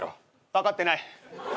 分かってない。